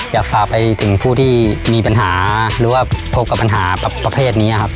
อยากฝากไปถึงผู้ที่มีปัญหาหรือว่าพบกับปัญหาประเภทนี้ครับ